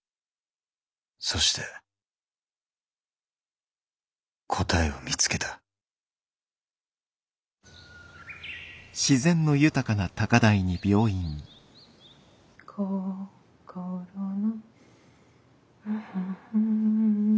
そして答えを見つけた「こころの」